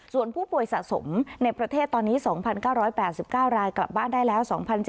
ส่วนผู้ป่วยสะสมในประเทศตอนนี้๒๙๘๙รายกลับบ้านได้แล้ว๒๗๐